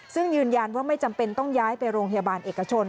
ซึ่งยืนยันว่าไม่จำเป็นต้องย้ายไปโรงพยาบาลเอกชน